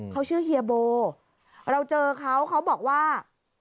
เขาชื่อเฮียโบเราเจอเขาเขาบอกว่า